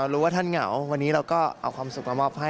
รู้ว่าท่านเหงาวันนี้เราก็เอาความสุขมามอบให้